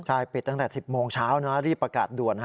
ใช่ปิดตั้งแต่๑๐โมงเช้านะรีบประกาศด่วน